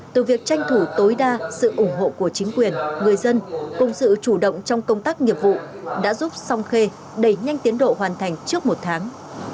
từ việc tranh thủ tối đa sự ủng hộ của chính quyền người dân cùng sự chủ động trong công tác nghiệp vụ đã giúp song khê đẩy nhanh tiến độ hoàn thành trước một tháng